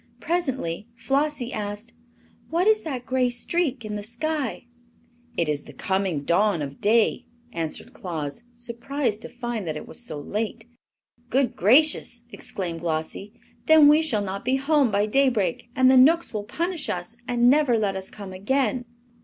Presently Flossie asked: "What is that gray streak in the sky?" "It is the coming dawn of day," answered Claus, surprised to find that it was so late. "Good gracious!" exclaimed Glossie; "then we shall not be home by daybreak, and the Knooks will punish us and never let us come again."